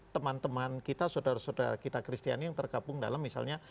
teman teman kita saudara saudara kita kristiani yang tergabung dalam misalnya